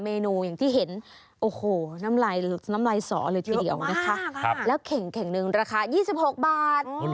เมนูอย่างที่เห็นโอ้โหน้ำลายน้ำลายสอเลยทีเดียวนะคะแล้วเข่งหนึ่งราคา๒๖บาท